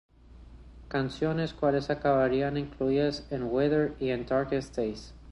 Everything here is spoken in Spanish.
Canciones las cuales acabarían incluidas en"Wither" y en "Darkest Days".